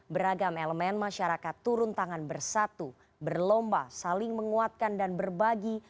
beragam elemen masyarakat turun tangan bersatu berlomba saling menguatkan dan berbagi